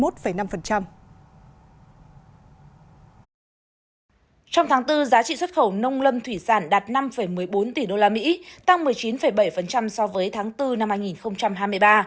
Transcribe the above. trong tháng bốn giá trị xuất khẩu nông lâm thủy sản đạt năm một mươi bốn tỷ usd tăng một mươi chín bảy so với tháng bốn năm hai nghìn hai mươi ba